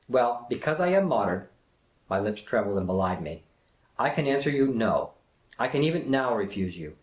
Well, because I am modern "— my lips trembled and belied me —" I can answer you No. I can even now refuse you.